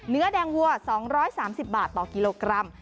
เนื้อแดงวัว๒๓๐บาทต่อกิโลกรัม